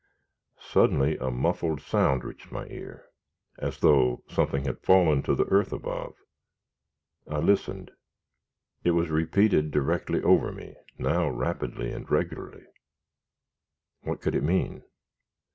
Suddenly a muffled sound reached my ear, as though something had fallen to the earth above. I listened it was repeated directly over me, now rapidly and regularly. What could it mean?